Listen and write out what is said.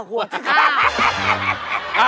ห่วงเถอะค่ะห่วงเถอะค่ะ